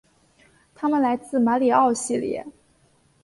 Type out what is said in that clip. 他们来自马里奥系列。